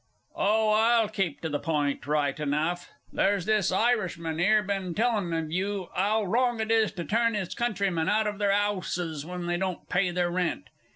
"_) Oh, I'll keep to the point right enough. There's this Irishman here been a tellin' of you 'ow wrong it is to turn his countrymen out of their 'ouses when they don't pay their rent.